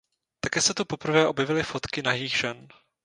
Také se tu poprvé objevily fotky nahých žen.